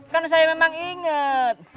kan saya memang inget